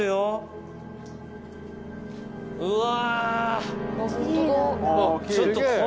うわ。